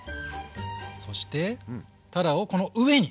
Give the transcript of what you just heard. そしてたらをこの上に。